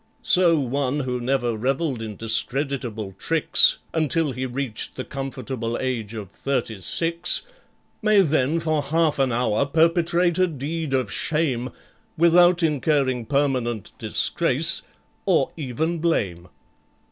"So one who never revelled in discreditable tricks Until he reached the comfortable age of thirty six, May then for half an hour perpetrate a deed of shame, Without incurring permanent disgrace, or even blame.